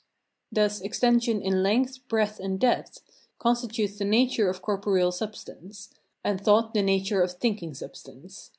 Thus, extension in length, breadth, and depth, constitutes the nature of corporeal substance; and thought the nature of thinking substance.